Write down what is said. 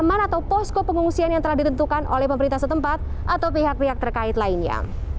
aman atau posko pengungsian yang telah ditentukan oleh pemerintah setempat atau pihak pihak terkait lainnya